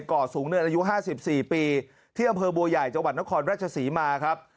ก่อสูงเนินอายุ๕๔ปีที่อำเภอบัวใหญ่จังหวัดนครราชศรีมาครับ